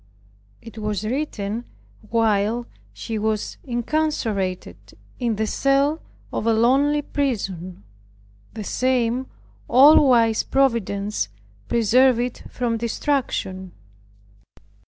It was written while she was incarcerated in the cell of a lonely prison. The same all wise Providence preserved it from destruction.